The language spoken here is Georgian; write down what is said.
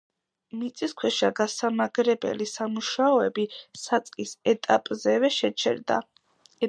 მიწისქვეშა გასამაგრებელი სამუშაოები საწყის ეტაპზევე შეჩერდა.